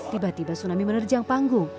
tiba tiba tsunami menerjang panggung